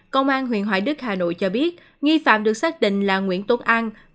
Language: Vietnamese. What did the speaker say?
công an huyện hoài đức hà nội cho biết nghi phạm được xác định là nguyễn tuấn an